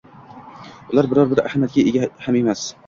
— ular biror-bir ahamiyatga ega ham emas.